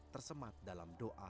tersemat dalam doa